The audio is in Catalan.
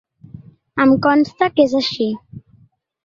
Em consta que és així.